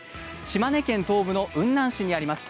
島根県東部の雲南市にあります